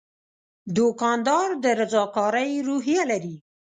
دوکاندار د رضاکارۍ روحیه لري.